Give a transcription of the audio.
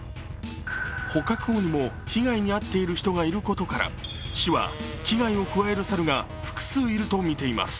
捕獲後も被害に遭っている人がいることから市は危害を加える猿が複数いるとみています。